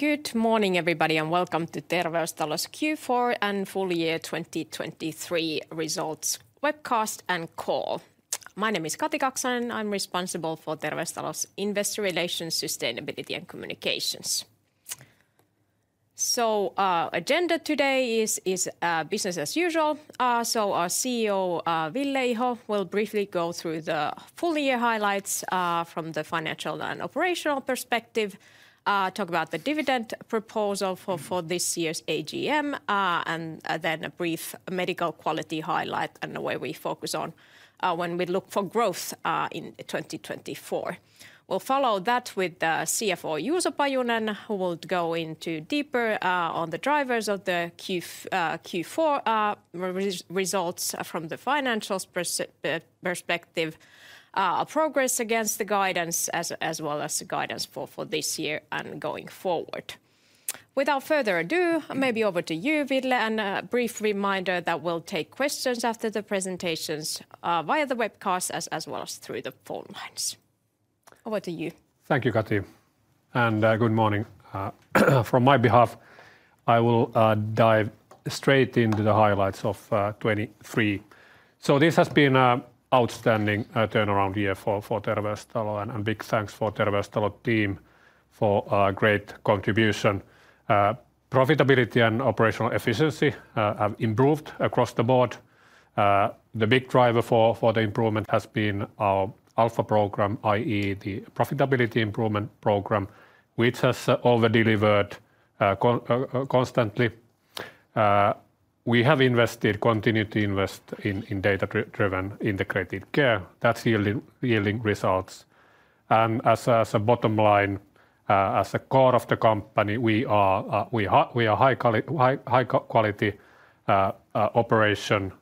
Good morning, everybody, and welcome to Terveystalo's Q4 and Full Year 2023 Results Webcast and Call. My name is Kati Kaksonen. I'm responsible for Terveystalo's investor relations, sustainability, and communications. So, agenda today is business as usual. So our CEO, Ville Iho, will briefly go through the full year highlights from the financial and operational perspective, talk about the dividend proposal for this year's AGM, and then a brief medical quality highlight and the way we focus on when we look for growth in 2024. We'll follow that with the CFO, Juuso Pajunen, who will go into deeper on the drivers of the Q4 results from the financial perspective, progress against the guidance, as well as the guidance for this year and going forward. Without further ado, maybe over to you, Ville, and a brief reminder that we'll take questions after the presentations via the webcast, as well as through the phone lines. Over to you. Thank you, Kati, and good morning from my behalf. I will dive straight into the highlights of 2023. So this has been an outstanding turnaround year for Terveystalo, and big thanks to Terveystalo team for great contribution. Profitability and operational efficiency have improved across the board. The big driver for the improvement has been our Alpha program, i.e., the profitability improvement program, which has over-delivered constantly. We have continued to invest in data-driven, integrated care. That's yielding results. And as a bottom line, as a core of the company, we are high quality operation.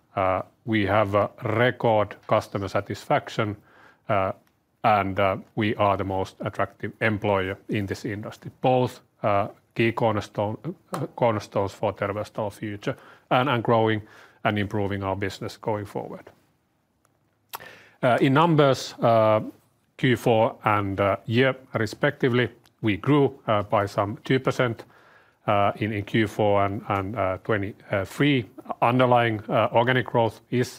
We have a record customer satisfaction, and we are the most attractive employer in this industry. Both key cornerstones for Terveystalo's future and growing and improving our business going forward. In numbers, Q4 and year respectively, we grew by some 2% in Q4 and 2023. Underlying organic growth is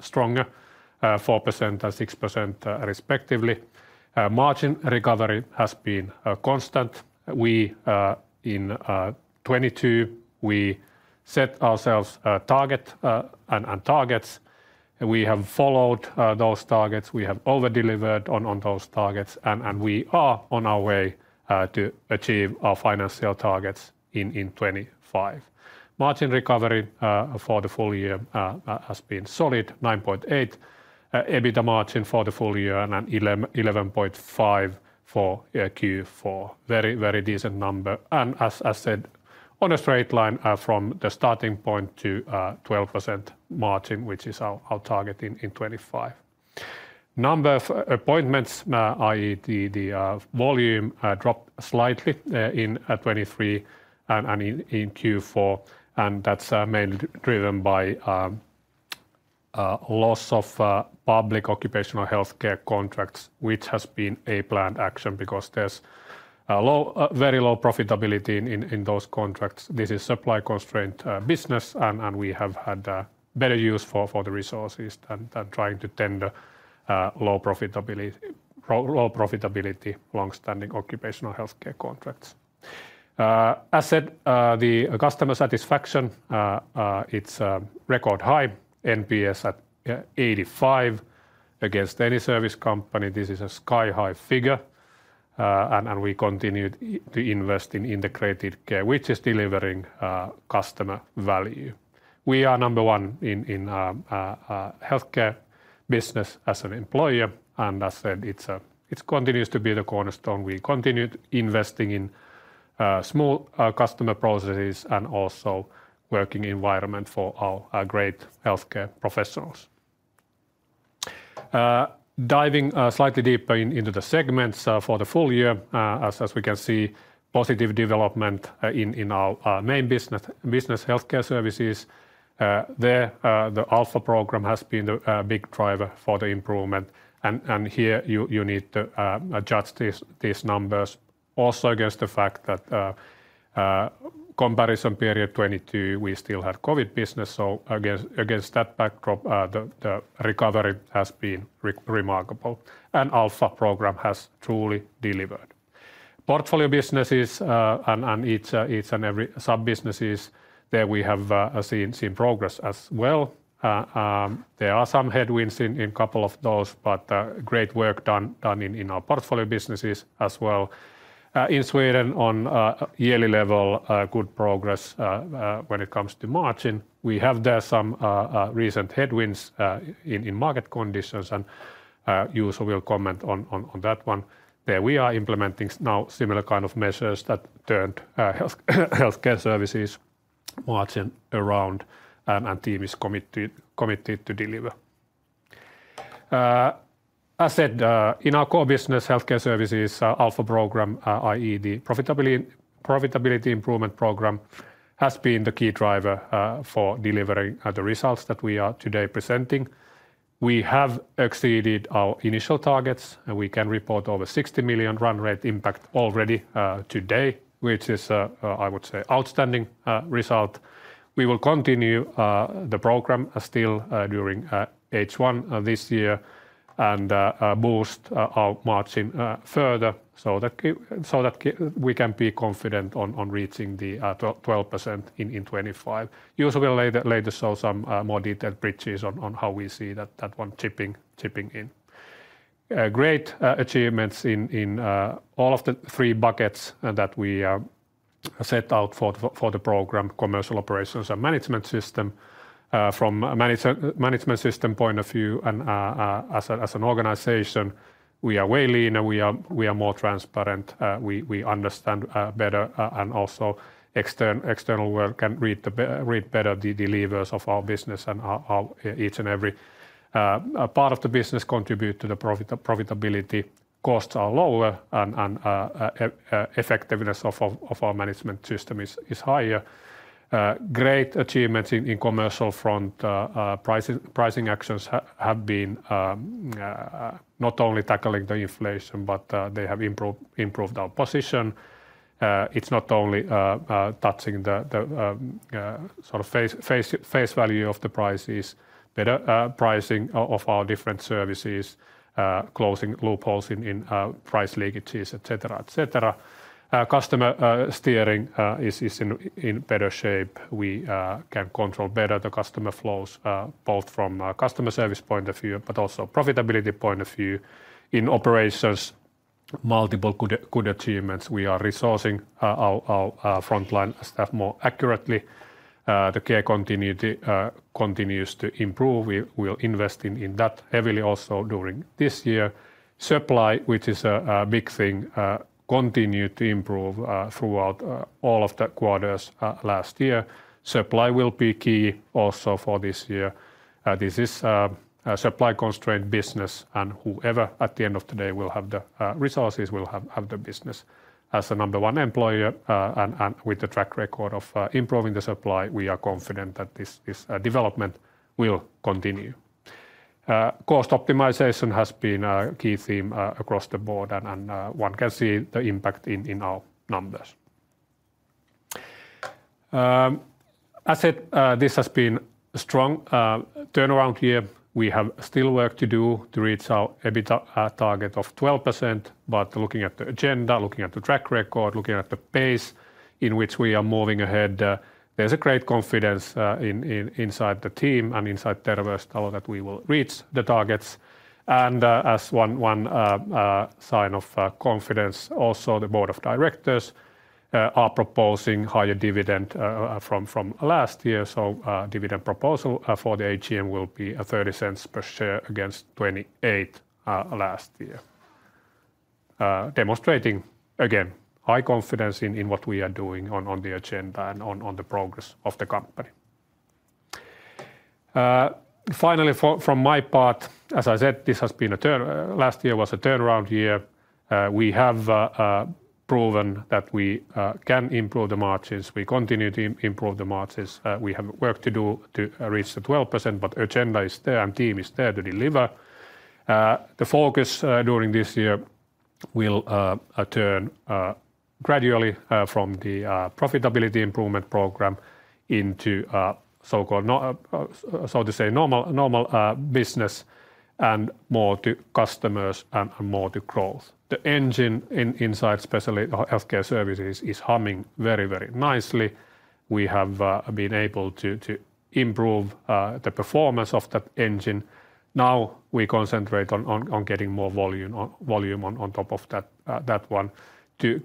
stronger 4% and 6%, respectively. Margin recovery has been a constant. We in 2022, we set ourselves a target and targets, and we have followed those targets. We have over-delivered on those targets, and we are on our way to achieve our financial targets in 2025. Margin recovery for the full year has been solid 9.8%. EBITDA margin for the full year and 11.5% for Q4. Very, very decent number, and as I said, on a straight line from the starting point to 12% margin, which is our target in 2025. Number of appointments, i.e., the volume, dropped slightly in 2023 and in Q4, and that's mainly driven by loss of public occupational healthcare contracts, which has been a planned action because there's very low profitability in those contracts. This is supply-constrained business, and we have had better use for the resources than trying to tender low profitability, low profitability, long-standing occupational healthcare contracts. As said, the customer satisfaction, it's a record high, NPS at 85. Against any service company, this is a sky-high figure, and we continued to invest in integrated care, which is delivering customer value. We are number one in healthcare business as an employer, and as said, it continues to be the cornerstone. We continued investing in small customer processes and also working environment for our great healthcare professionals. Diving slightly deeper into the segments for the full year, as we can see, positive development in our main business, healthcare services. The Alpha program has been the big driver for the improvement, and here you need to adjust these numbers also against the fact that comparison period 2022 we still had COVID business, so against that backdrop the recovery has been remarkable, and Alpha program has truly delivered. Portfolio businesses, and each and every sub-businesses, there we have seen progress as well. There are some headwinds in couple of those, but great work done in our portfolio businesses as well. In Sweden, on yearly level, good progress when it comes to margin. We have there some recent headwinds in market conditions, and Juuso will comment on that one. There we are implementing now similar kind of measures that turned healthcare services margin around, and team is committed to deliver. As said, in our core business, healthcare services, Alpha program, i.e., the profitability improvement program, has been the key driver for delivering the results that we are today presenting. We have exceeded our initial targets, and we can report over 60 million run rate impact already today, which is, I would say, outstanding result. We will continue the program still during H1 of this year and boost our margin further so that we can be confident on reaching the 12% in 2025. You will also later show some more detailed bridges on how we see that one tipping in. Great achievements in all of the three buckets that we set out for the program: commercial operations and management system. From a management system point of view and as an organization, we are way leaner. We are more transparent. We understand better, and also external world can read better the levers of our business and our each and every part of the business contribute to the profitability. Costs are lower, and effectiveness of our management system is higher. Great achievements in commercial front, pricing actions have been not only tackling the inflation, but they have improved our position. It's not only touching the sort of face value of the prices, better pricing of our different services, closing loopholes in price leakages, et cetera, et cetera. Our customer steering is in better shape. We can control better the customer flows, both from a customer service point of view but also profitability point of view. In operations, multiple good achievements. We are resourcing our frontline staff more accurately. The care continuity continues to improve. We are investing in that heavily also during this year. Supply, which is a big thing, continued to improve throughout all of the quarters last year. Supply will be key also for this year. This is a supply-constrained business, and whoever at the end of the day will have the resources will have the business. As a number one employer, and with the track record of improving the supply, we are confident that this development will continue. Cost optimization has been a key theme across the board, and one can see the impact in our numbers. As I said, this has been a strong turnaround year. We have still work to do to reach our EBITDA target of 12%. But looking at the agenda, looking at the track record, looking at the pace in which we are moving ahead, there's a great confidence in inside the team and inside Terveystalo that we will reach the targets. And, as one sign of confidence, also the board of directors are proposing higher dividend from last year. So, dividend proposal for the AGM will be 0.30 per share against 28 last year. Demonstrating, again, high confidence in what we are doing on the agenda and on the progress of the company. Finally, from my part, as I said, last year was a turnaround year. We have proven that we can improve the margins. We continue to improve the margins. We have work to do to reach the 12%, but the agenda is there, and team is there to deliver. The focus during this year will turn gradually from the profitability improvement program into a so-called, so to say, normal business, and more to customers and more to growth. The engine inside, especially the healthcare services, is humming very, very nicely. We have been able to improve the performance of that engine. Now, we concentrate on getting more volume on top of that to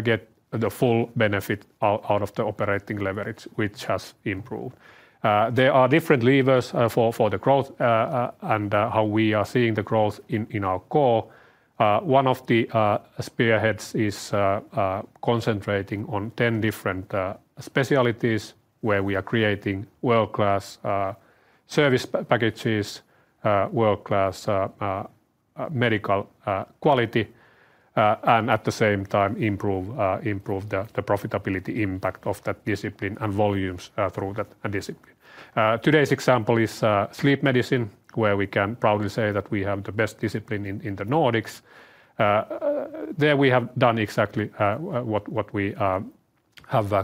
get the full benefit out of the operating leverage, which has improved. There are different levers for the growth and how we are seeing the growth in our core. One of the spearheads is concentrating on 10 different specialties, where we are creating world-class service packages, world-class medical quality, and at the same time, improve the profitability impact of that discipline and volumes through that discipline. Today's example is sleep medicine, where we can proudly say that we have the best discipline in the Nordics. There we have done exactly what we have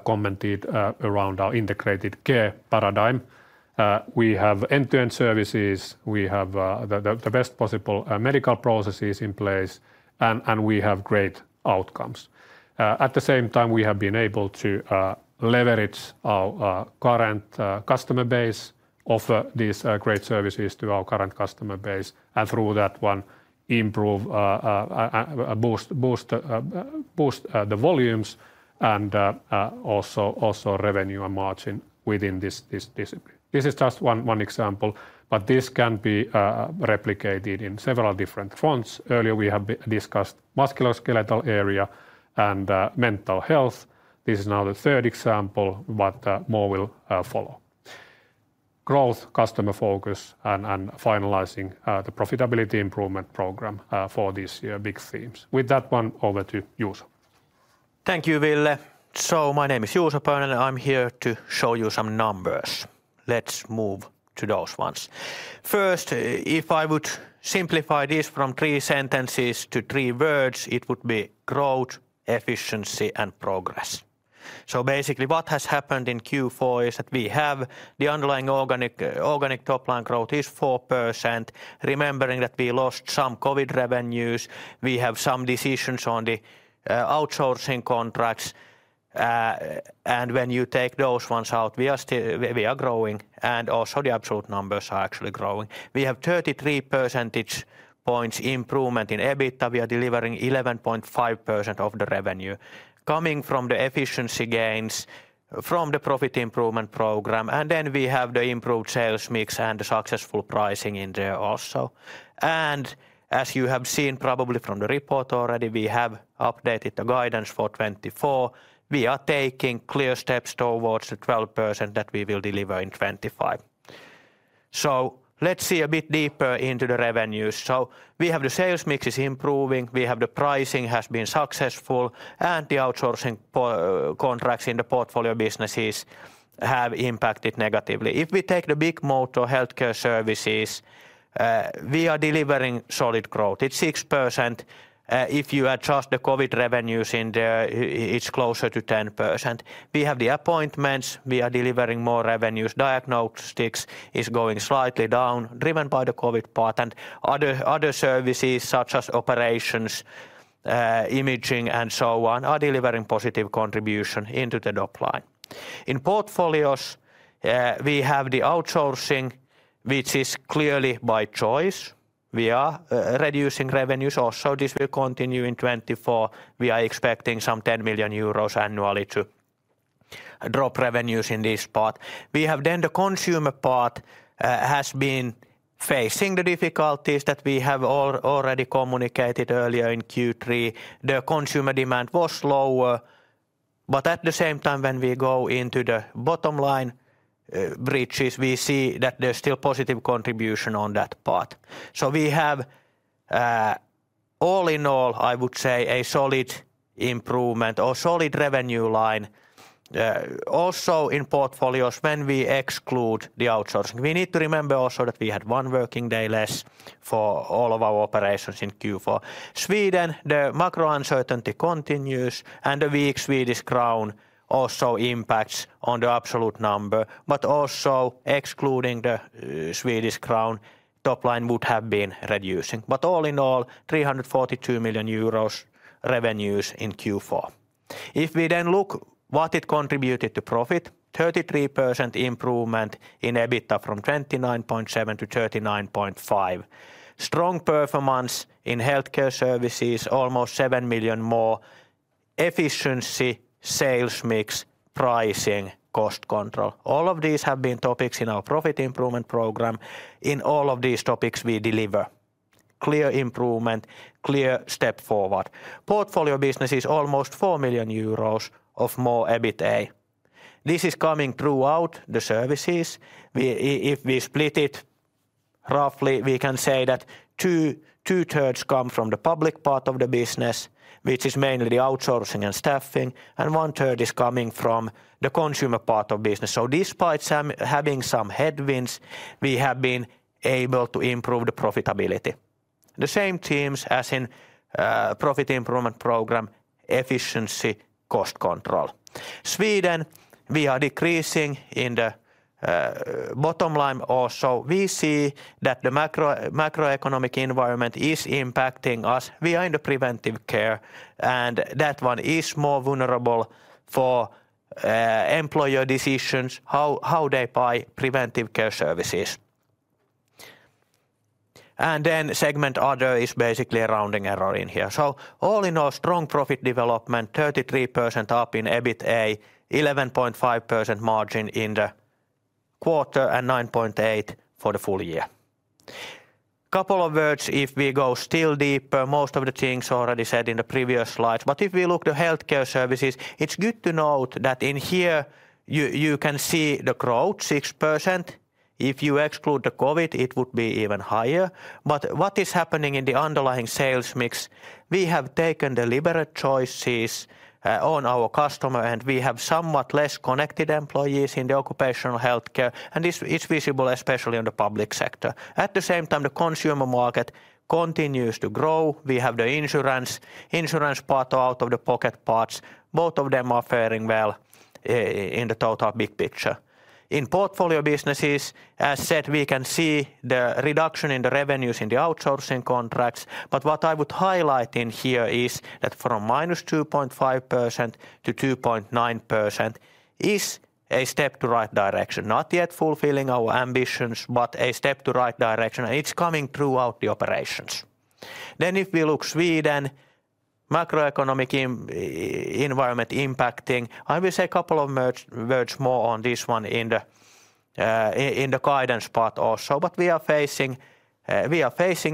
commented around our integrated care paradigm. We have end-to-end services. We have the best possible medical processes in place, and we have great outcomes. At the same time, we have been able to leverage our current customer base, offer these great services to our current customer base, and through that one, improve, boost the volumes and also revenue and margin within this discipline. This is just one example, but this can be replicated in several different fronts. Earlier, we have discussed musculoskeletal area and mental health. This is now the third example, but more will follow. Growth, customer focus, and finalizing the profitability improvement program for this year, big themes. With that one, over to Juuso.... Thank you, Ville. So my name is Juuso Pajunen, and I'm here to show you some numbers. Let's move to those ones. First, if I would simplify this from three sentences to three words, it would be growth, efficiency, and progress. So basically, what has happened in Q4 is that we have the underlying organic top line growth is 4%, remembering that we lost some COVID revenues. We have some decisions on the outsourcing contracts. And when you take those ones out, we are still we are growing, and also the absolute numbers are actually growing. We have 33 percentage points improvement in EBITDA. We are delivering 11.5% of the revenue coming from the efficiency gains from the profit improvement program, and then we have the improved sales mix and the successful pricing in there also. As you have seen probably from the report already, we have updated the guidance for 2024. We are taking clear steps towards the 12% that we will deliver in 2025. So let's see a bit deeper into the revenues. So we have the sales mix is improving, we have the pricing has been successful, and the outsourcing contracts in the portfolio businesses have impacted negatively. If we take the big moat or healthcare services, we are delivering solid growth. It's 6%. If you adjust the COVID revenues in there, it's closer to 10%. We have the appointments. We are delivering more revenues. Diagnostics is going slightly down, driven by the COVID part and other services, such as operations, imaging, and so on, are delivering positive contribution into the top line. In portfolios, we have the outsourcing, which is clearly by choice. We are reducing revenues also. This will continue in 2024. We are expecting some 10 million euros annually to drop revenues in this part. We have then the consumer part has been facing the difficulties that we have already communicated earlier in Q3. The consumer demand was lower, but at the same time, when we go into the bottom line bridges, we see that there's still positive contribution on that part. So we have all in all, I would say, a solid improvement or solid revenue line also in portfolios when we exclude the outsourcing. We need to remember also that we had one working day less for all of our operations in Q4. Sweden, the macro uncertainty continues, and the weak Swedish crown also impacts on the absolute number, but also excluding the Swedish crown, top line would have been reducing. But all in all, 342 million euros revenues in Q4. If we then look what it contributed to profit, 33% improvement in EBITDA from 29.7 to 39.5. Strong performance in healthcare services, almost 7 million more. Efficiency, sales mix, pricing, cost control, all of these have been topics in our profit improvement program. In all of these topics, we deliver clear improvement, clear step forward. Portfolio business is almost 4 million euros more EBITDA. This is coming throughout the services. If we split it roughly, we can say that 2/3 come from the public part of the business, which is mainly the outsourcing and staffing, and one-third is coming from the consumer part of business. So despite having some headwinds, we have been able to improve the profitability. The same teams as in profit improvement program: efficiency, cost control. In Sweden, we are decreasing in the bottom line also. We see that the macroeconomic environment is impacting us. We are in the preventive care, and that one is more vulnerable for employer decisions, how they buy preventive care services. And then Segment Other is basically a rounding error in here. So all in all, strong profit development, 33% up in EBITDA, 11.5% margin in the quarter, and 9.8% for the full year. Couple of words, if we go still deeper, most of the things already said in the previous slides, but if we look the healthcare services, it's good to note that in here, you can see the growth, 6%. If you exclude the COVID, it would be even higher. But what is happening in the underlying sales mix? We have taken deliberate choices on our customer, and we have somewhat less connected employees in the occupational healthcare, and it's visible especially in the public sector. At the same time, the consumer market continues to grow. We have the insurance part out of the pocket parts. Both of them are faring well in the total big picture. In portfolio businesses, as said, we can see the reduction in the revenues in the outsourcing contracts, but what I would highlight in here is that from -2.5% to 2.9% is a step to right direction. Not yet fulfilling our ambitions, but a step to right direction, and it's coming throughout the operations. Then if we look Sweden, macroeconomic environment impacting, I will say a couple of words more on this one in the guidance part also, but we are facing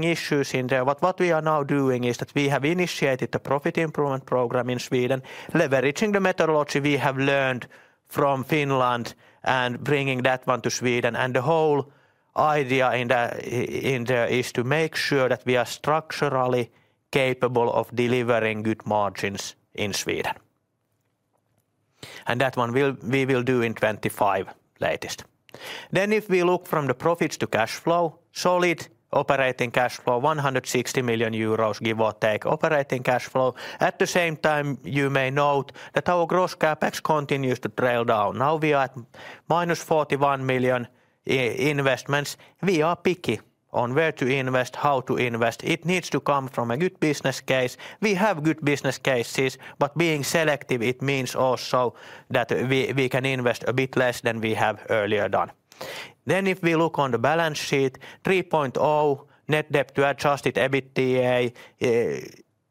issues in there. But what we are now doing is that we have initiated a profit improvement program in Sweden, leveraging the methodology we have learned from Finland and bringing that one to Sweden, and the whole-... The idea in there is to make sure that we are structurally capable of delivering good margins in Sweden. That one we will do in 25 latest. If we look from the profits to cash flow, solid operating cash flow, 160 million euros, give or take, operating cash flow. At the same time, you may note that our gross CapEx continues to trail down. Now we are at -41 million investments. We are picky on where to invest, how to invest. It needs to come from a good business case. We have good business cases, but being selective, it means also that we can invest a bit less than we have earlier done. If we look on the balance sheet, 3.0 net debt to Adjusted EBITDA.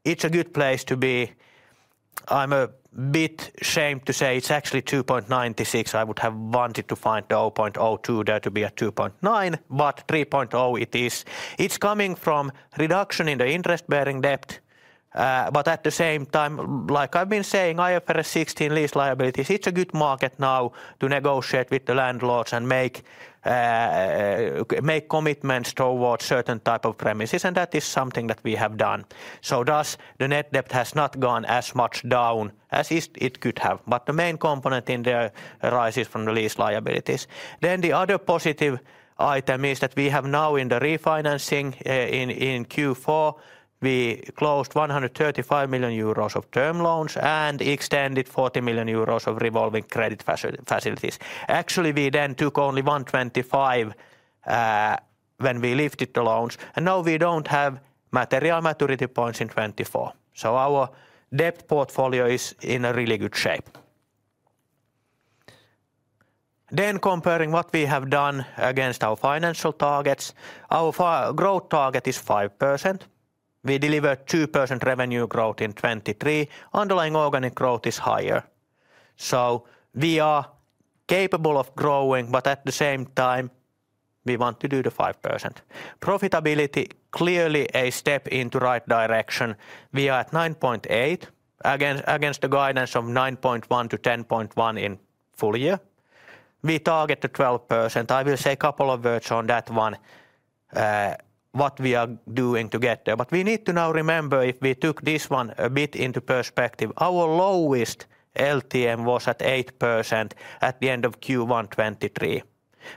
It's a good place to be. I'm a bit ashamed to say it's actually 2.96. I would have wanted to find the 0.02 there to be a 2.9, but 3.0 it is. It's coming from reduction in the interest-bearing debt, but at the same time, like I've been saying, IFRS 16 lease liabilities, it's a good market now to negotiate with the landlords and make commitments towards certain type of premises, and that is something that we have done. So thus, the net debt has not gone as much down as it could have. But the main component in there arises from the lease liabilities. Then the other positive item is that we have now, in the refinancing, in Q4, we closed 135 million euros of term loans and extended 40 million euros of revolving credit facilities. Actually, we then took only 125 when we lifted the loans, and now we don't have material maturity points in 2024. So our debt portfolio is in a really good shape. Then comparing what we have done against our financial targets, our growth target is 5%. We delivered 2% revenue growth in 2023. Underlying organic growth is higher. So we are capable of growing, but at the same time, we want to do the 5%. Profitability, clearly a step in the right direction. We are at 9.8% against the guidance of 9.1%-10.1% in full year. We target the 12%. I will say a couple of words on that one, what we are doing to get there. But we need to now remember, if we took this one a bit into perspective, our lowest LTM was at 8% at the end of Q1 2023.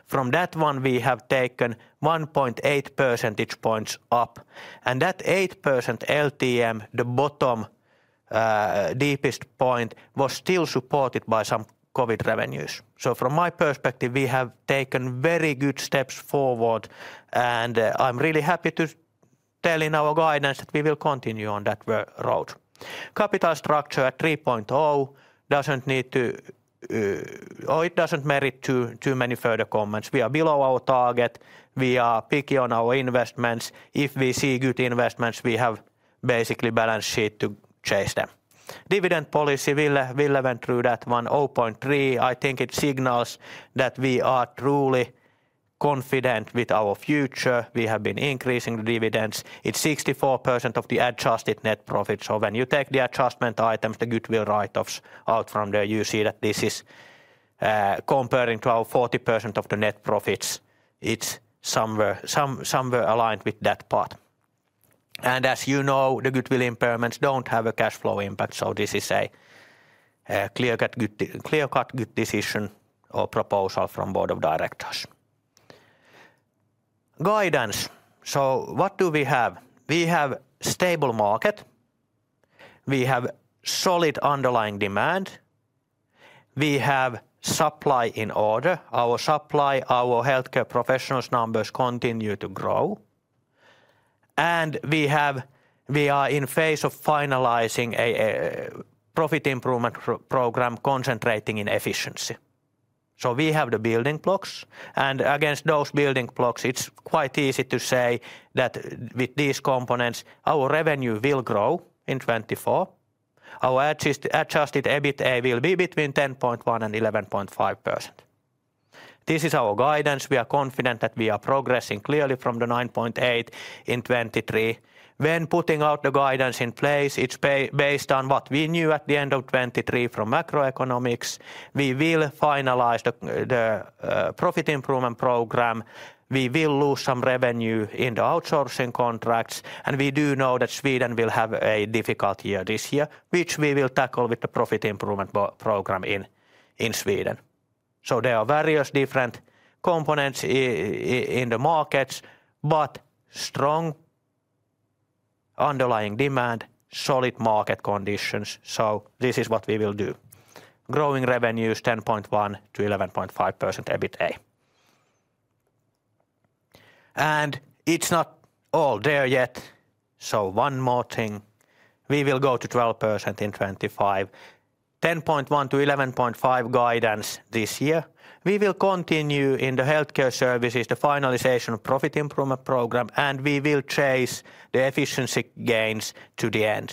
From that one, we have taken 1.8 percentage points up, and that 8% LTM, the bottom, deepest point, was still supported by some COVID revenues. So from my perspective, we have taken very good steps forward, and, I'm really happy to tell in our guidance that we will continue on that road. Capital structure at 3.0 doesn't need to, or it doesn't merit too, too many further comments. We are below our target. We are picky on our investments. If we see good investments, we have basically balance sheet to chase them. Dividend policy, Ville, Ville went through that one, 0.3. I think it signals that we are truly confident with our future. We have been increasing the dividends. It's 64% of the adjusted net profit, so when you take the adjustment items, the goodwill write-offs out from there, you see that this is, comparing to our 40% of the net profits, it's somewhere aligned with that part. And as you know, the goodwill impairments don't have a cash flow impact, so this is a clear-cut good decision or proposal from board of directors. Guidance. So what do we have? We have stable market. We have solid underlying demand. We have supply in order. Our supply, our healthcare professionals' numbers continue to grow, and we are in phase of finalizing a profit improvement program concentrating in efficiency. So we have the building blocks, and against those building blocks, it's quite easy to say that with these components, our revenue will grow in 2024. Our Adjusted EBITDA will be between 10.1% and 11.5%. This is our guidance. We are confident that we are progressing clearly from the 9.8% in 2023. When putting out the guidance in place, it's based on what we knew at the end of 2023 from macroeconomics. We will finalize the profit improvement program. We will lose some revenue in the outsourcing contracts, and we do know that Sweden will have a difficult year this year, which we will tackle with the profit improvement program in Sweden. So there are various different components in the markets, but strong underlying demand, solid market conditions, so this is what we will do. Growing revenues, 10.1%-11.5% EBITDA. It's not all there yet, so one more thing: We will go to 12% in 2025. 10.1%-11.5% guidance this year. We will continue in the healthcare services, the finalization of profit improvement program, and we will chase the efficiency gains to the end.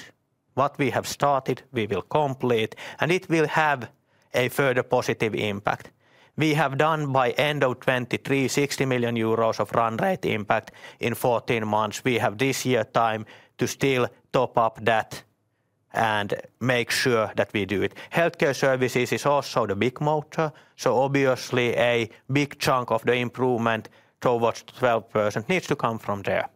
What we have started, we will complete, and it will have a further positive impact. We have done by end of 2023, 60 million euros of run rate impact in 14 months. We have this year time to still top up that and make sure that we do it. Healthcare services is also the big motor, so obviously a big chunk of the improvement towards 12% needs to come from there.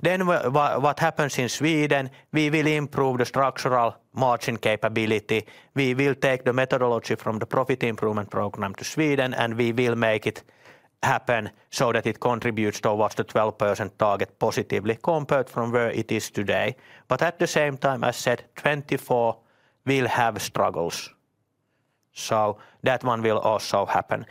Then what happens in Sweden, we will improve the structural margin capability. We will take the methodology from the profit improvement program to Sweden, and we will make it happen so that it contributes towards the 12% target positively compared from where it is today. But at the same time, I said 2024 will have struggles, so that one will also happen.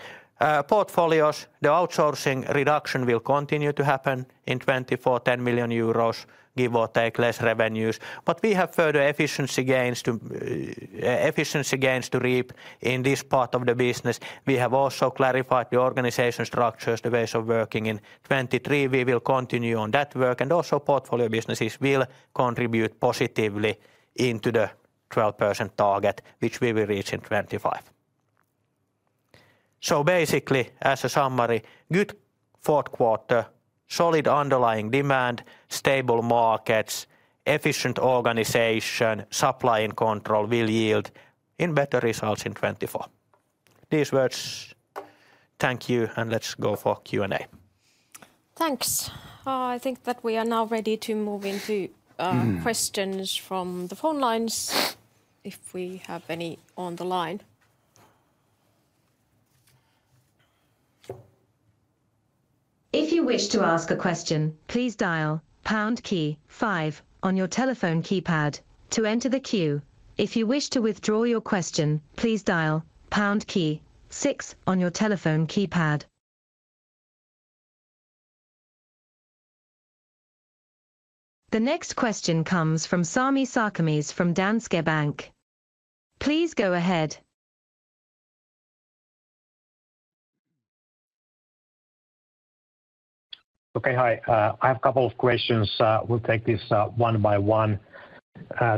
Portfolios, the outsourcing reduction will continue to happen in 2024, 10 million euros, give or take, less revenues. But we have further efficiency gains to reap in this part of the business. We have also clarified the organization structures, the ways of working in 2023. We will continue on that work, and also portfolio businesses will contribute positively into the 12% target, which we will reach in 2025. So basically, as a summary, good fourth quarter, solid underlying demand, stable markets, efficient organization, supply in control will yield in better results in 2024. These words, thank you, and let's go for Q&A. Thanks. I think that we are now ready to move into- Mm... Questions from the phone lines, if we have any on the line. If you wish to ask a question, please dial pound key five on your telephone keypad to enter the queue. If you wish to withdraw your question, please dial pound key six on your telephone keypad. The next question comes from Sami Sarkamies from Danske Bank. Please go ahead. Okay, hi. I have a couple of questions. We'll take this one by one.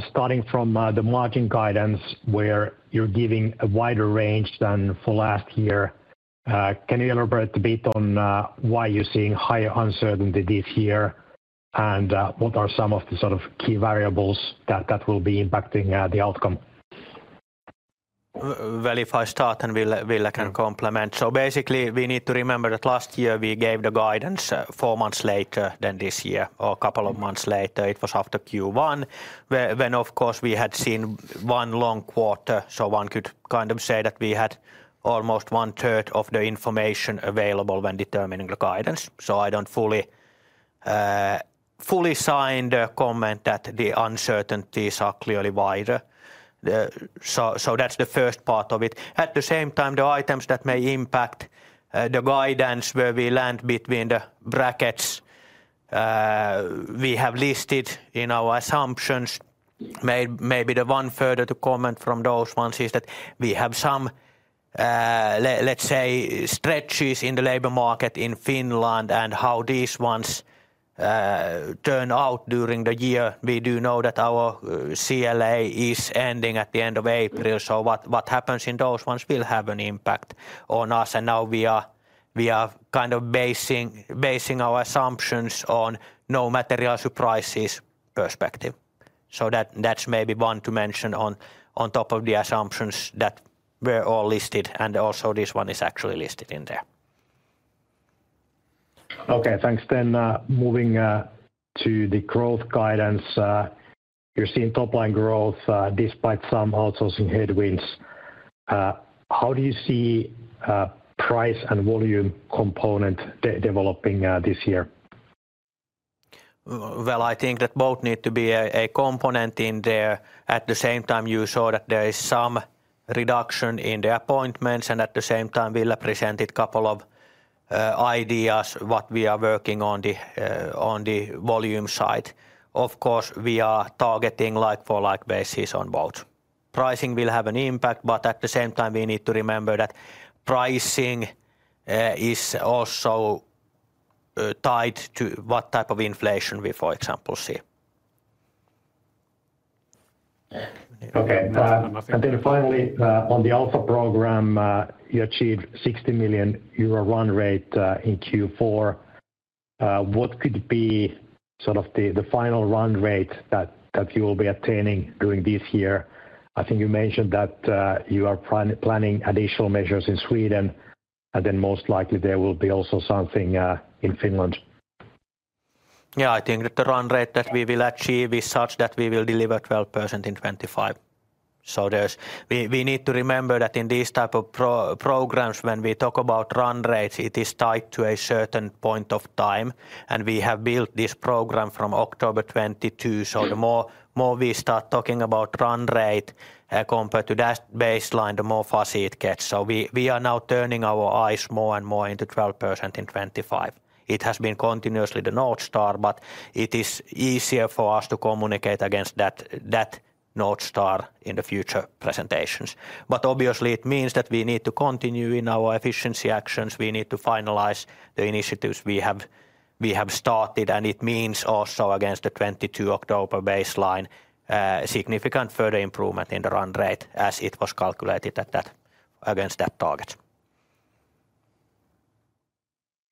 Starting from the margin guidance, where you're giving a wider range than for last year. Can you elaborate a bit on why you're seeing higher uncertainty this year? And what are some of the sort of key variables that will be impacting the outcome? Well, if I start, and Ville, Ville can complement. So basically, we need to remember that last year we gave the guidance, four months later than this year, or a couple of months later. It was after Q1, where when, of course, we had seen one long quarter, so one could kind of say that we had almost one-third of the information available when determining the guidance. So I don't fully, fully sign the comment that the uncertainties are clearly wider. So, so that's the first part of it. At the same time, the items that may impact the guidance where we land between the brackets, we have listed in our assumptions. Maybe the one further to comment from those ones is that we have some, let's say, stretches in the labor market in Finland and how these ones turn out during the year. We do know that our CLA is ending at the end of April, so what happens in those ones will have an impact on us, and now we are kind of basing our assumptions on no material surprises perspective. So that's maybe one to mention on top of the assumptions that were all listed, and also this one is actually listed in there. Okay, thanks. Then, moving to the growth guidance, you're seeing top-line growth despite some outsourcing headwinds. How do you see price and volume component developing this year? Well, I think that both need to be a component in there. At the same time, you saw that there is some reduction in the appointments, and at the same time, Ville presented couple of ideas, what we are working on the on the volume side. Of course, we are targeting like-for-like basis on both. Pricing will have an impact, but at the same time, we need to remember that pricing is also tied to what type of inflation we, for example, see. Okay. Uh- I'm not-... And then finally, on the Alpha program, you achieved 60 million euro run rate in Q4. What could be sort of the final run rate that you will be attaining during this year? I think you mentioned that you are planning additional measures in Sweden, and then most likely there will be also something in Finland. Yeah, I think that the run rate that we will achieve is such that we will deliver 12% in 2025. So there's... We need to remember that in these type of programs, when we talk about run rate, it is tied to a certain point of time, and we have built this program from October 2022. So the more we start talking about run rate compared to that baseline, the more fuzzy it gets. So we are now turning our eyes more and more into 12% in 2025. It has been continuously the North Star, but it is easier for us to communicate against that North Star in the future presentations. But obviously, it means that we need to continue in our efficiency actions. We need to finalize the initiatives we have started, and it means also against the 22 October baseline, significant further improvement in the run rate as it was calculated at that against that target....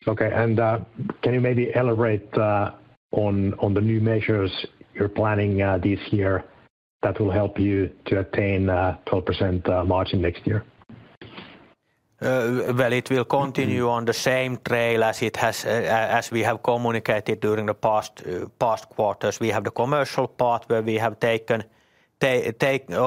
Okay, and can you maybe elaborate on the new measures you're planning this year that will help you to attain 12% margin next year? Well, it will continue on the same trail as it has, as we have communicated during the past quarters. We have the commercial part where we have taken,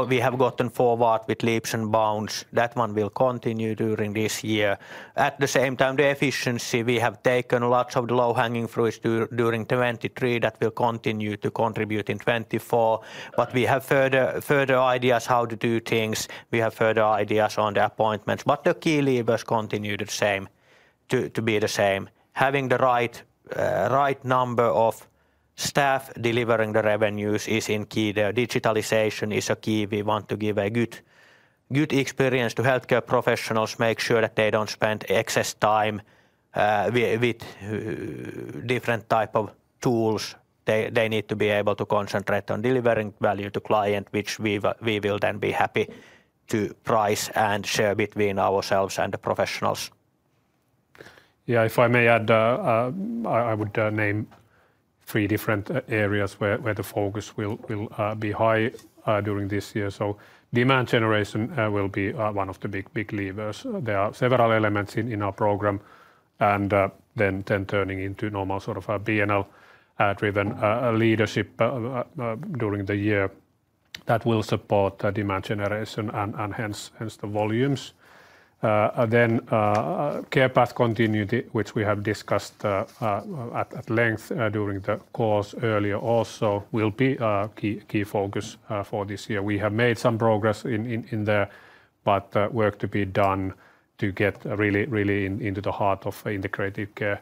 we have gotten forward with leaps and bounds. That one will continue during this year. At the same time, the efficiency, we have taken lots of the low-hanging fruits during 2023, that will continue to contribute in 2024. But we have further, further ideas how to do things. We have further ideas on the appointments, but the key levers continue the same, to, to be the same. Having the right, right number of staff delivering the revenues is in key there. Digitalization is a key. We want to give a good, good experience to healthcare professionals, make sure that they don't spend excess time, with different type of tools. They need to be able to concentrate on delivering value to client, which we will then be happy to price and share between ourselves and the professionals. Yeah, if I may add, I would name three different areas where the focus will be high during this year. So demand generation will be one of the big levers. There are several elements in our program, and then turning into normal sort of a P&L driven leadership during the year that will support the demand generation and hence the volumes. Then care path continuity, which we have discussed at length during the calls earlier, also will be a key focus for this year. We have made some progress in there, but work to be done to get really into the heart of integrated care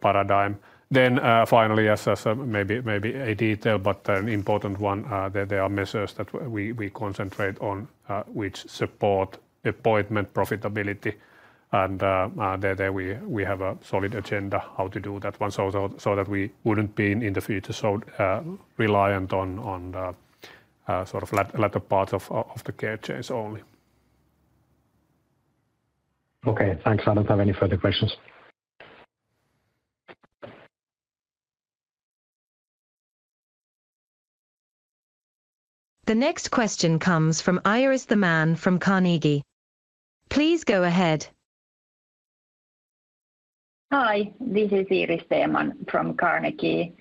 paradigm. Then, finally, as a maybe a detail, but an important one, there are measures that we concentrate on, which support appointment profitability and, there we have a solid agenda how to do that one, so that we wouldn't be in the future, so reliant on the sort of latter part of the care chains only. Okay, thanks. I don't have any further questions. The next question comes from Iiris Theman from Carnegie. Please go ahead. Hi, this is Iiris Theman from Carnegie.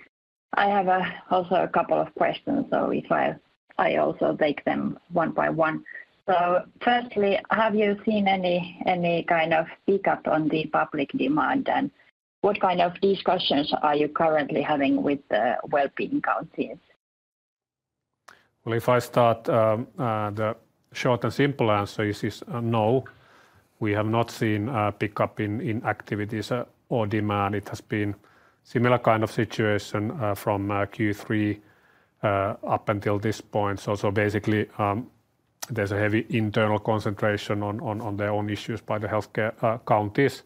I have also a couple of questions, so if I also take them one by one. So firstly, have you seen any kind of pick-up on the public demand, and what kind of discussions are you currently having with the wellbeing counties? Well, if I start, the short and simple answer is no, we have not seen a pick-up in activities or demand. It has been similar kind of situation from Q3 up until this point. So basically, there's a heavy internal concentration on their own issues by the healthcare counties.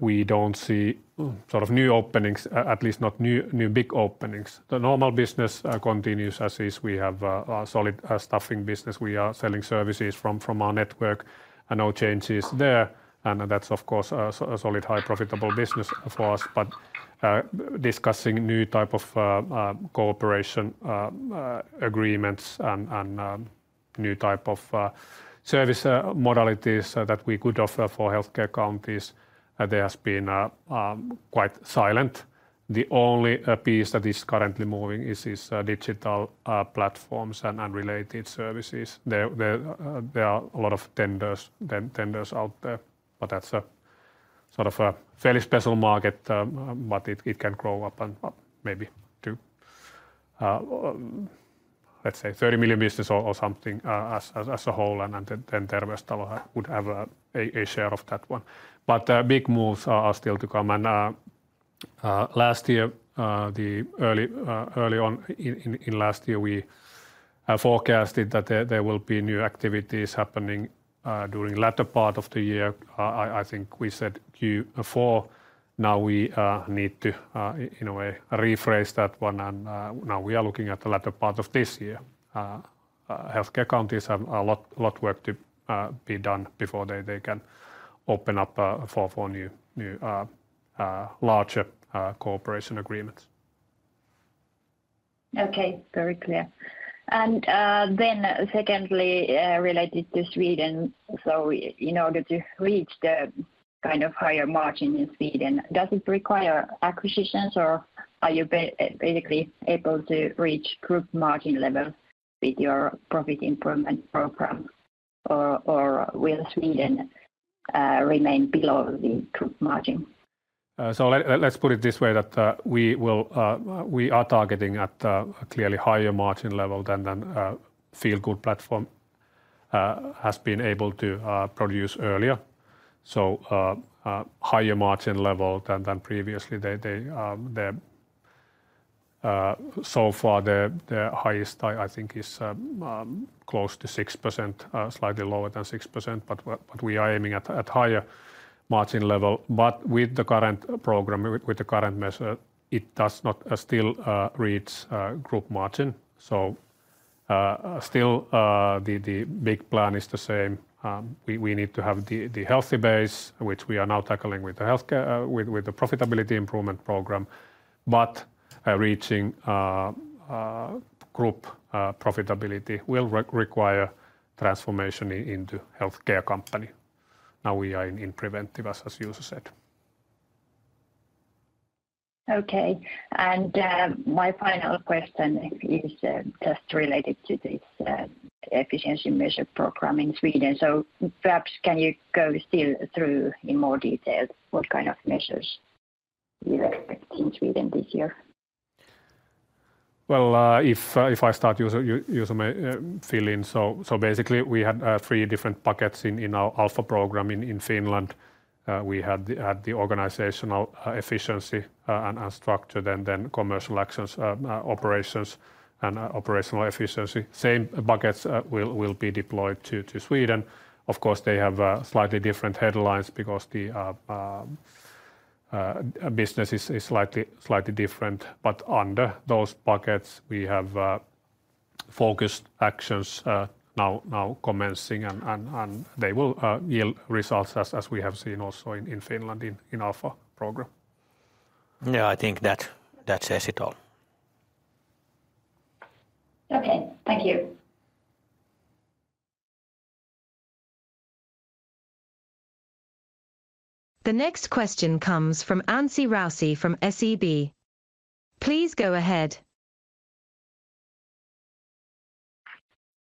We don't see sort of new openings, at least not new big openings. The normal business continues as is. We have a solid staffing business. We are selling services from our network, and no changes there. And that's, of course, a solid, highly profitable business of course, but discussing new type of cooperation agreements and new type of service modalities that we could offer for healthcare counties, there has been quite silent. The only piece that is currently moving is digital platforms and related services. There are a lot of tenders out there, but that's a sort of fairly special market, but it can grow up maybe to, let's say, 30 million business or something, as a whole, and then Terveystalo would have a share of that one. But big moves are still to come. Last year, early on in last year, we forecasted that there will be new activities happening during latter part of the year. I think we said Q4. Now we need to, in a way, rephrase that one, and now we are looking at the latter part of this year. Healthcare counties have a lot of work to be done before they can open up for new larger cooperation agreements. Okay. Very clear. And then, secondly, related to Sweden, so in order to reach the kind of higher margin in Sweden, does it require acquisitions, or are you basically able to reach group margin level with your profit improvement program? Or will Sweden remain below the group margin? So let's put it this way, that we will, we are targeting at a clearly higher margin level than Feelgood platform has been able to produce earlier. So higher margin level than previously. They the so far the highest I think is close to 6%, slightly lower than 6%, but we are aiming at higher margin level. But with the current program, with the current measure, it does not still reach group margin. So still the big plan is the same. We need to have the healthy base, which we are now tackling with the healthcare, with the profitability improvement program. But reaching group profitability will require transformation into healthcare company. Now we are in preventive, as Juuso said. Okay. And, my final question is just related to this efficiency measure program in Sweden. So perhaps can you go still through in more detail what kind of measures you expect in Sweden this year? Well, if I start, Juuso may fill in. So basically, we had three different buckets in our Alpha program in Finland. We had the organizational efficiency and structure, then commercial actions, operations and operational efficiency. Same buckets will be deployed to Sweden. Of course, they have slightly different headlines because the business is slightly different. But under those buckets, we have focused actions now commencing, and they will yield results as we have seen also in Finland, in Alpha program. Yeah, I think that says it all. Okay. Thank you. The next question comes from Anssi Raussi from SEB. Please go ahead.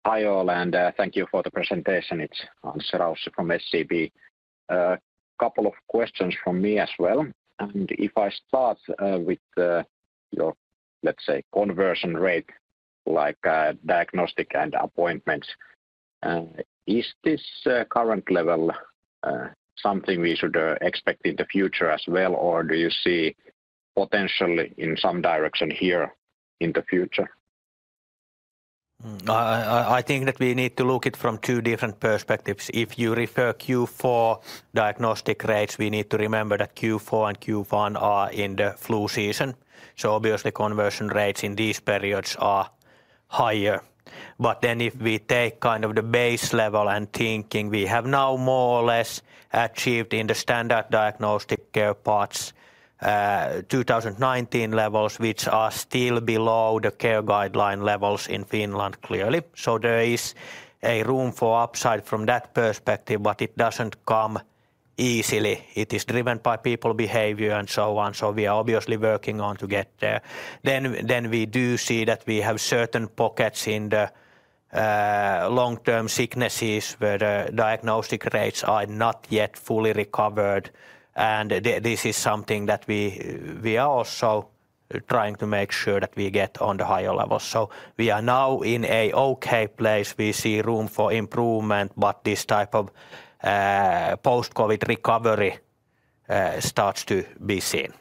Hi, all, and thank you for the presentation. It's Anssi Raussi from SEB. Couple of questions from me as well. And if I start with your, let's say, conversion rate, like, diagnostic and appointments, is this current level something we should expect in the future as well, or do you see potentially in some direction here in the future? I think that we need to look it from two different perspectives. If you refer Q4 diagnostic rates, we need to remember that Q4 and Q1 are in the flu season, so obviously conversion rates in these periods are higher. But then if we take kind of the base level and thinking, we have now more or less achieved in the standard diagnostic care parts, 2019 levels, which are still below the care guideline levels in Finland, clearly. So there is a room for upside from that perspective, but it doesn't come easily. It is driven by people behavior and so on. So we are obviously working on to get there. Then we do see that we have certain pockets in the long-term sicknesses, where the diagnostic rates are not yet fully recovered, and this is something that we are also trying to make sure that we get on the higher levels. So we are now in a okay place. We see room for improvement, but this type of post-COVID recovery starts to be seen.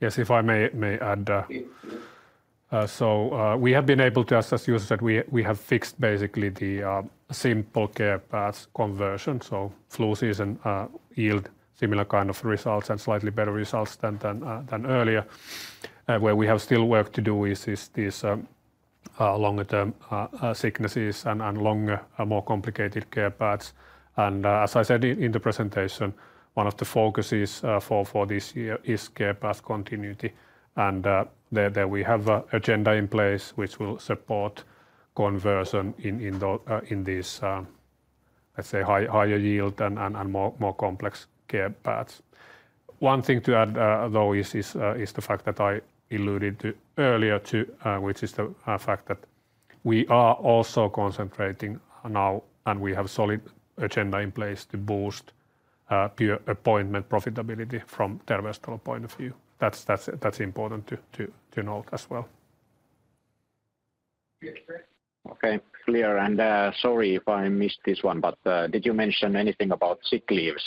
Yes, if I may add, so we have been able to assess users that we have fixed basically the simple care paths conversion, so flu season yield similar kind of results and slightly better results than earlier. Where we have still work to do is this longer-term sicknesses and longer more complicated care paths. And as I said in the presentation, one of the focuses for this year is care path continuity, and there we have an agenda in place which will support conversion in the in this let's say higher yield and more complex care paths. One thing to add, though, is the fact that I alluded to earlier, too, which is the fact that we are also concentrating now, and we have solid agenda in place to boost per appointment profitability from Terveystalo point of view. That's important to note as well. Okay, clear. And, sorry if I missed this one, but, did you mention anything about sick leaves?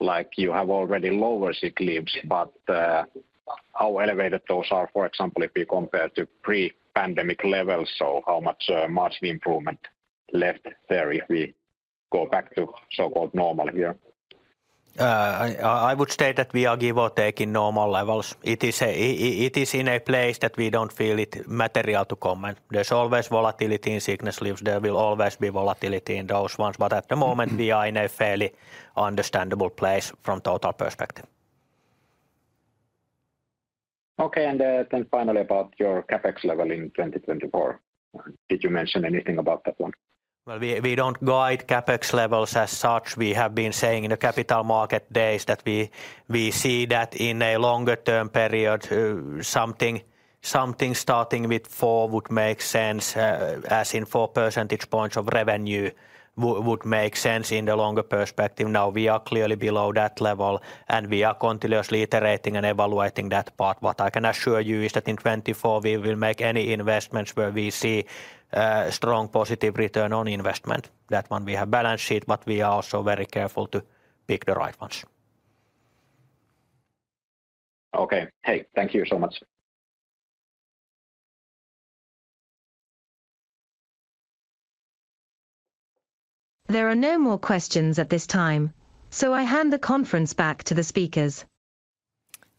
Like, you have already lower sick leaves, but, how elevated those are, for example, if we compare to pre-pandemic levels, so how much, margin improvement left there if we go back to so-called normal here? I would state that we are give or take in normal levels. It is in a place that we don't feel it material to comment. There's always volatility in sickness leaves. There will always be volatility in those ones, but at the moment, we are in a fairly understandable place from total perspective. Okay, and then finally about your CapEx level in 2024. Did you mention anything about that one? Well, we, we don't guide CapEx levels as such. We have been saying in the capital market days that we, we see that in a longer-term period, something, something starting with four would make sense, as in 4 percentage points of revenue would make sense in the longer perspective. Now, we are clearly below that level, and we are continuously iterating and evaluating that part. What I can assure you is that in 2024 we will make any investments where we see strong positive return on investment. That one we have balance sheet, but we are also very careful to pick the right ones. Okay. Hey, thank you so much.... There are no more questions at this time, so I hand the conference back to the speakers.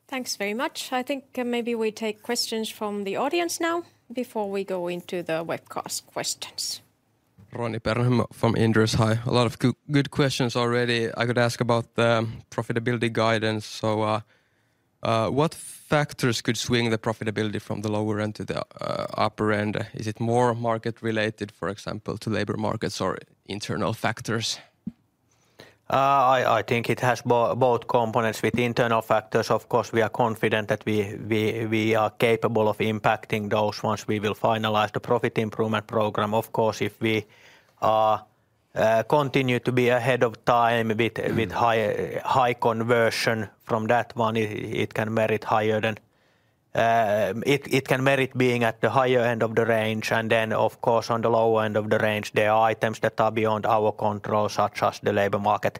Thanks very much. I think maybe we take questions from the audience now before we go into the webcast questions. Roni Peuranheimo from Inderes. Hi. A lot of good, good questions already. I could ask about the profitability guidance. So, what factors could swing the profitability from the lower end to the upper end? Is it more market related, for example, to labor markets or internal factors? I think it has both components. With internal factors, of course, we are confident that we are capable of impacting those ones. We will finalize the profit improvement program. Of course, if we continue to be ahead of time with high conversion from that one, it can merit higher than... It can merit being at the higher end of the range, and then, of course, on the lower end of the range, there are items that are beyond our control, such as the labor market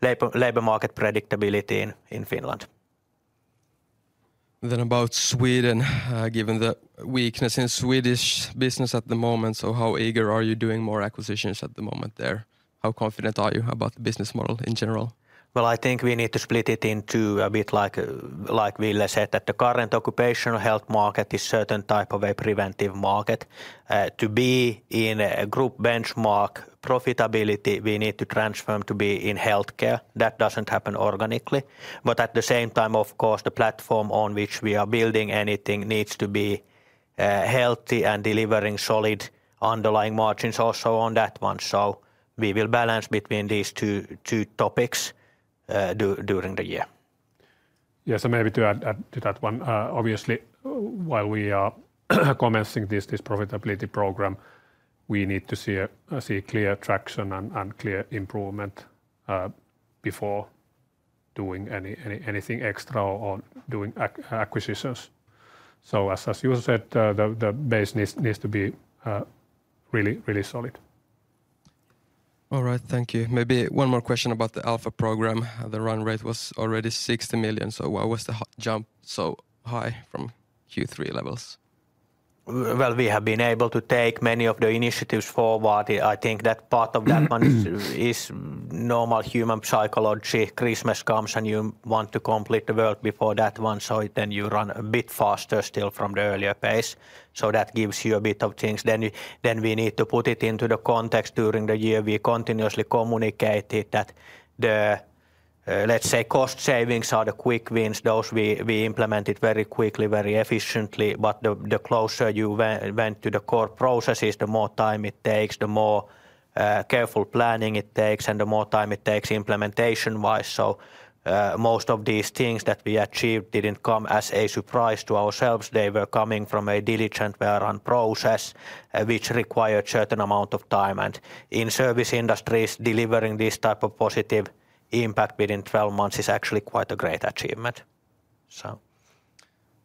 predictability in Finland. About Sweden, given the weakness in Swedish business at the moment, so how eager are you doing more acquisitions at the moment there? How confident are you about the business model in general? Well, I think we need to split it into a bit like, like Ville said, that the current occupational health market is certain type of a preventive market. To be in a group benchmark profitability, we need to transform to be in healthcare. That doesn't happen organically. But at the same time, of course, the platform on which we are building anything needs to be healthy and delivering solid underlying margins also on that one. So we will balance between these two, two topics, during the year. Yes, so maybe to add to that one, obviously, while we are commencing this profitability program, we need to see clear traction and clear improvement before doing anything extra on doing acquisitions. So as you said, the base needs to be really solid. All right. Thank you. Maybe one more question about the Alpha program. The run rate was already 60 million, so why was the jump so high from Q3 levels? Well, we have been able to take many of the initiatives forward. I think that part of that one is normal human psychology. Christmas comes, and you want to complete the work before that one, so then you run a bit faster still from the earlier pace, so that gives you a bit of change. Then we need to put it into the context. During the year, we continuously communicated that the, let's say, cost savings are the quick wins. Those we, we implemented very quickly, very efficiently, but the closer we went to the core processes, the more time it takes, the more careful planning it takes and the more time it takes implementation-wise. So, most of these things that we achieved didn't come as a surprise to ourselves. They were coming from a diligent well-run process, which required certain amount of time, and in service industries, delivering this type of positive impact within 12 months is actually quite a great achievement, so...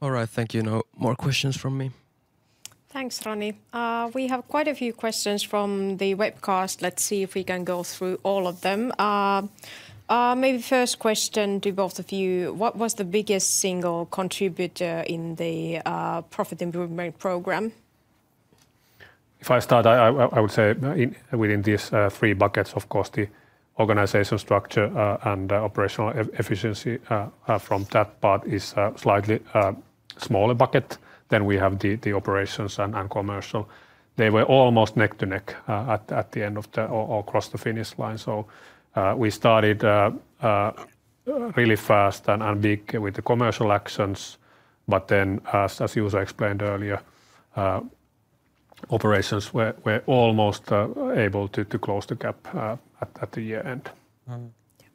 All right. Thank you. No more questions from me. Thanks, Roni. We have quite a few questions from the webcast. Let's see if we can go through all of them. Maybe first question to both of you, what was the biggest single contributor in the profit improvement program? If I start, I would say within these three buckets, of course, the organizational structure and the operational efficiency from that part is a slightly smaller bucket. Then we have the operations and commercial. They were almost neck and neck at the end of the year or crossed the finish line. So, we started really fast and big with the commercial actions, but then, as Juuso explained earlier, operations were almost able to close the gap at the year-end. Mm-hmm. Yeah.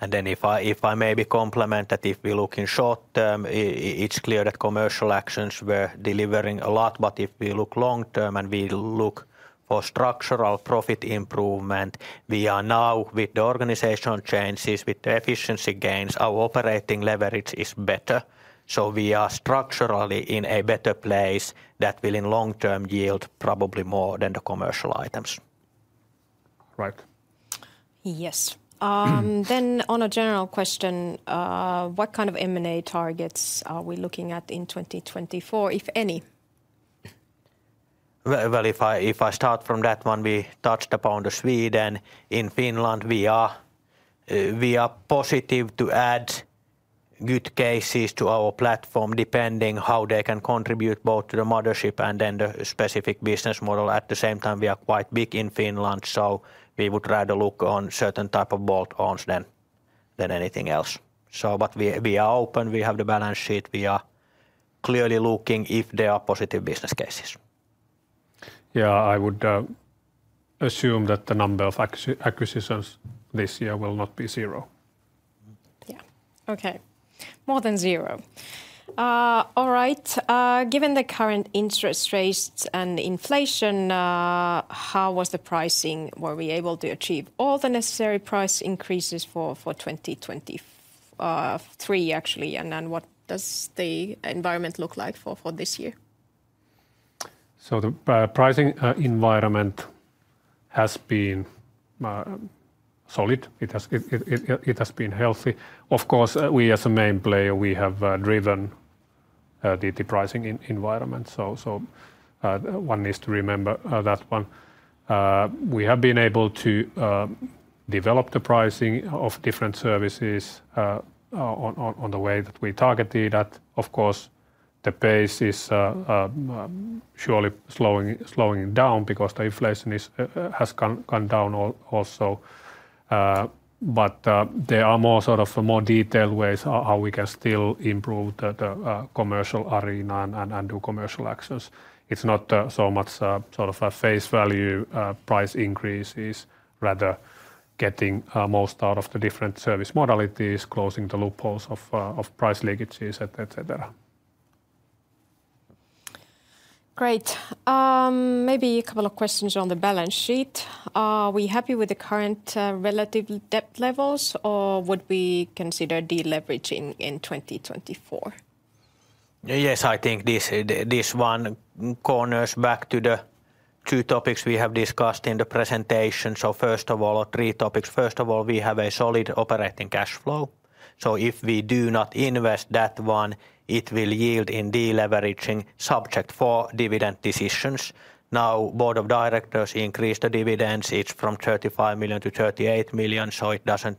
And then if I may complement that, if we look in short term, it's clear that commercial actions were delivering a lot, but if we look long term and we look for structural profit improvement, we are now, with the organizational changes, with the efficiency gains, our operating leverage is better. So we are structurally in a better place that will in long term yield probably more than the commercial items. Right. Yes. On a general question, what kind of M&A targets are we looking at in 2024, if any? Well, well, if I, if I start from that one, we touched upon Sweden. In Finland, we are, we are positive to add good cases to our platform, depending how they can contribute both to the mothership and then the specific business model. At the same time, we are quite big in Finland, so we would rather look on certain type of bolt-ons than, than anything else. So but we, we are open. We have the balance sheet. We are clearly looking if there are positive business cases. Yeah, I would assume that the number of acquisitions this year will not be zero. Yeah. Okay, more than zero. All right, given the current interest rates and inflation, how was the pricing? Were we able to achieve all the necessary price increases for 2023, actually, and then what does the environment look like for this year? So the pricing environment has been solid. It has been healthy. Of course, we as a main player, we have driven the pricing environment, so one needs to remember that one. We have been able to develop the pricing of different services on the way that we targeted that. Of course, the pace is surely slowing down because the inflation has gone down also. But there are more sort of more detailed ways how we can still improve the commercial arena and do commercial access. It's not so much sort of a face value price increases, rather getting most out of the different service modalities, closing the loopholes of of price leakages, et cetera. Great. Maybe a couple of questions on the balance sheet. Are we happy with the current, relative debt levels, or would we consider deleveraging in 2024? Yes, I think this, this one corners back to the two topics we have discussed in the presentation. So first of all... or three topics. First of all, we have a solid operating cash flow, so if we do not invest that one, it will yield in deleveraging subject for dividend decisions. Now, board of directors increase the dividends. It's from 35 million-38 million, so it doesn't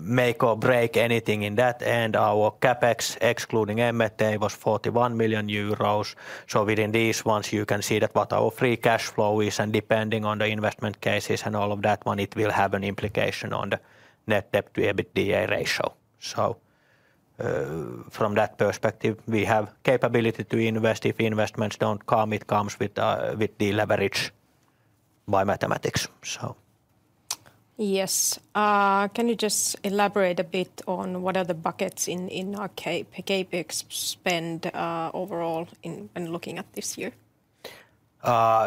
make or break anything in that. And our CapEx, excluding M&A, was 41 million euros. So within these ones, you can see that what our free cash flow is, and depending on the investment cases and all of that one, it will have an implication on the net debt to EBITDA ratio. So, from that perspective, we have capability to invest. If investments don't come, it comes with, with the leverage by mathematics, so. Yes. Can you just elaborate a bit on what are the buckets in our CapEx spend overall when looking at this year?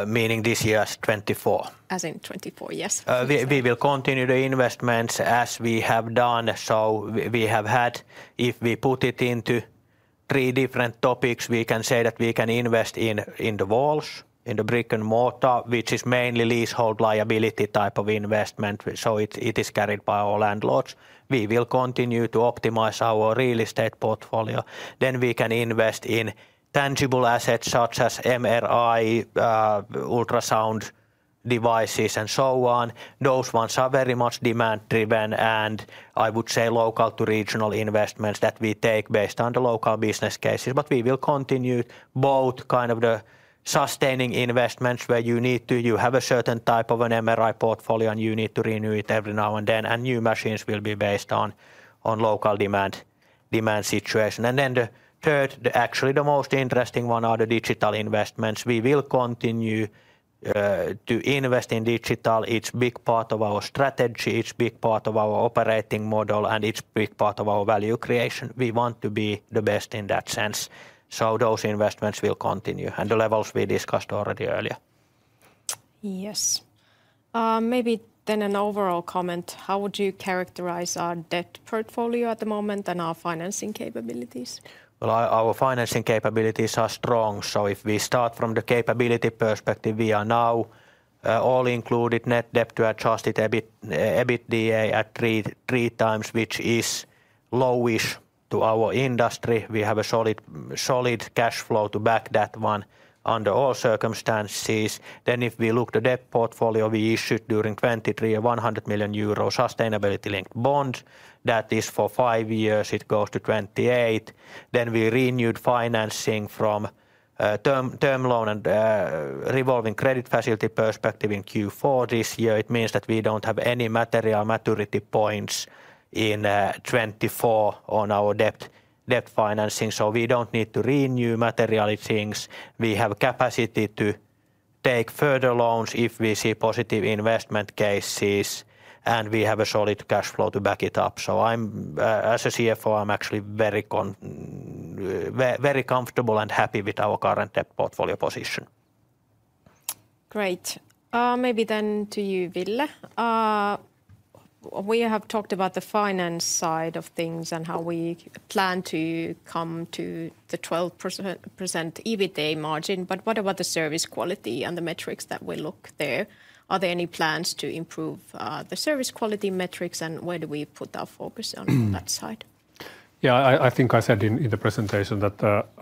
Meaning this year as 2024? As in 2024, yes. We will continue the investments as we have done. So we have had... If we put it into three different topics, we can say that we can invest in the walls, in the brick-and-mortar, which is mainly leasehold liability type of investment, so it is carried by our landlords. We will continue to optimize our real estate portfolio. Then we can invest in tangible assets, such as MRI, ultrasound devices, and so on. Those ones are very much demand-driven, and I would say local to regional investments that we take based on the local business cases. But we will continue both kind of the sustaining investments where you need to have a certain type of an MRI portfolio, and you need to renew it every now and then, and new machines will be based on local demand situation. Then the third, actually the most interesting one, are the digital investments. We will continue to invest in digital. It's big part of our strategy, it's big part of our operating model, and it's big part of our value creation. We want to be the best in that sense, so those investments will continue, and the levels we discussed already earlier. Yes. Maybe then an overall comment. How would you characterize our debt portfolio at the moment and our financing capabilities? Well, our financing capabilities are strong. So if we start from the capability perspective, we are now all included net debt to Adjusted EBITDA at 3x, which is low-ish to our industry. We have a solid cash flow to back that one under all circumstances. Then if we look at the debt portfolio, we issued during 2023 a 100 million euro sustainability-linked bond. That is for five years, it goes to 2028. Then we renewed financing from term loan and revolving credit facility perspective in Q4 this year. It means that we don't have any material maturity points in 2024 on our debt financing, so we don't need to renew material things. We have capacity to take further loans if we see positive investment cases, and we have a solid cash flow to back it up. So I'm, as a CFO, I'm actually very comfortable and happy with our current debt portfolio position. Great. Maybe then to you, Ville. We have talked about the finance side of things and how we plan to come to the 12% EBITDA margin, but what about the service quality and the metrics that we look there? Are there any plans to improve the service quality metrics, and where do we put our focus on that side? Yeah, I think I said in the presentation that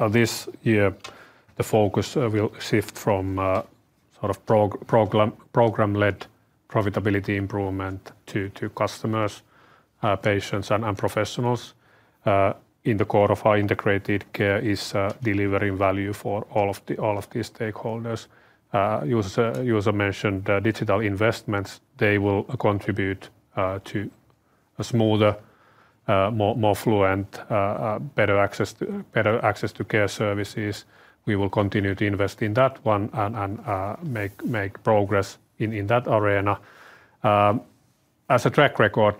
this year, the focus will shift from sort of program-led profitability improvement to customers, patients, and professionals. In the core of our integrated care is delivering value for all of the stakeholders. You also mentioned the digital investments. They will contribute to a smoother, more fluent, better access to care services. We will continue to invest in that one and make progress in that arena. As a track record,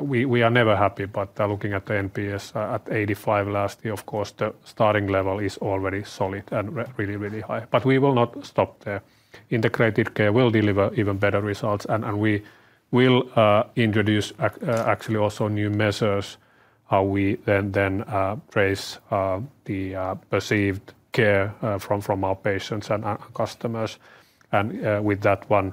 we are never happy, but looking at the NPS at 85 last year, of course, the starting level is already solid and really high. But we will not stop there. Integrated care will deliver even better results, and we will introduce actually also new measures, how we then trace the perceived care from our patients and our customers, and with that one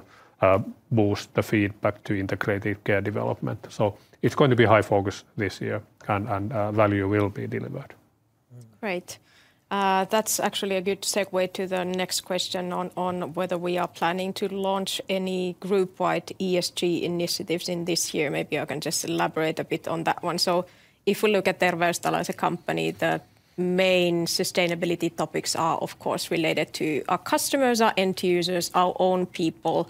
boost the feedback to integrated care development. So it's going to be high focus this year, and value will be delivered.... Great. That's actually a good segue to the next question on whether we are planning to launch any group-wide ESG initiatives in this year. Maybe I can just elaborate a bit on that one. So if we look at Terveystalo as a company, the main sustainability topics are, of course, related to our customers, our end users, our own people,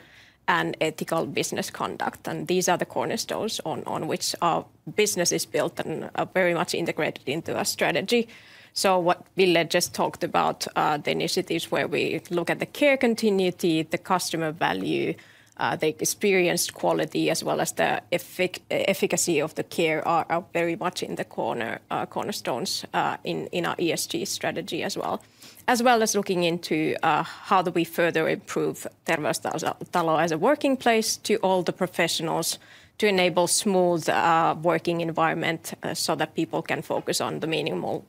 and ethical business conduct, and these are the cornerstones on which our business is built and are very much integrated into our strategy. So what Ville just talked about, the initiatives where we look at the care continuity, the customer value, the experience quality, as well as the efficacy of the care are very much in the cornerstones in our ESG strategy as well. As well as looking into how do we further improve Terveystalo as a working place to all the professionals to enable smooth working environment so that people can focus on the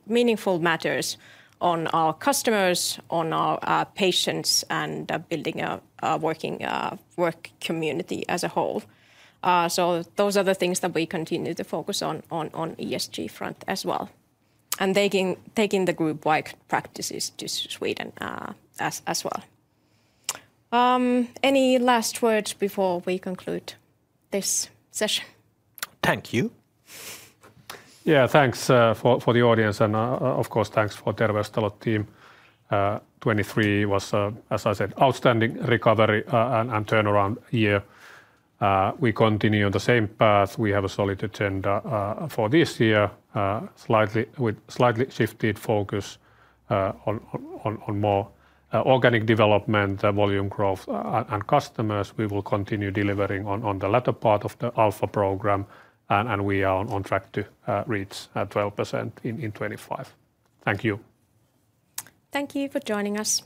meaningful matters on our customers, on our patients, and building a working work community as a whole. So those are the things that we continue to focus on on ESG front as well, and taking the group-wide practices to Sweden as well. Any last words before we conclude this session? Thank you. Yeah, thanks for the audience, and of course, thanks for the Terveystalo team. 2023 was, as I said, outstanding recovery and turnaround year. We continue on the same path. We have a solid agenda for this year, slightly... with slightly shifted focus on more organic development and volume growth. And customers, we will continue delivering on the latter part of the Alpha program, and we are on track to reach 12% in 2025. Thank you. Thank you for joining us.